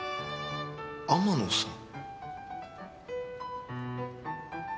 天野さん？